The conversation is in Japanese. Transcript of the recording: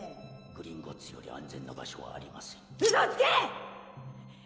グリンゴッツより安全な場所はありません嘘をつけ！